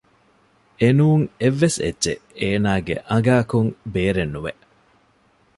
އެނޫން އެއްވެސް އެއްޗެއް އޭނާގެ އަނގައަކުން ބޭރެއް ނުވެ